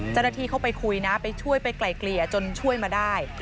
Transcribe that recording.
เจ้าหน้าที่เข้าไปคุยนะไปช่วยไปไกลเกลี่ยจนช่วยมาได้